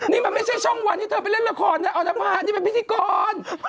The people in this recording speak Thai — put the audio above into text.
นี่มันไม่ใช่ช่องวันที่เธอไปเล่นละครนะออนภานี่เป็นพิธีกร